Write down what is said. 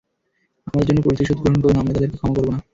আমাদের জন্য প্রতিশোধ গ্রহণ করুন, আমরা তাদেরকে ক্ষমা করব না।